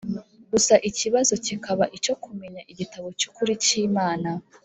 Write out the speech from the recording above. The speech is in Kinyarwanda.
gusa ikibazo kikaba icyo kumenya igitabo cy’ukuri cy’imana